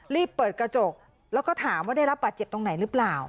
รีบเปิดกระจกแล้วก็ถามว่าได้รับบาดเจ็บตรงไหนหรือเปล่า